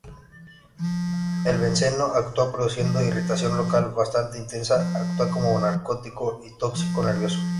El benceno actúa produciendo irritación local bastante intensa, actúa como narcótico y tóxico nervioso.